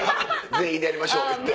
全員でやりましょう！って。